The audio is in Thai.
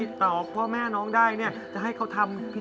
พี่ป๋องครับผมเคยไปที่บ้านผีคลั่งมาแล้ว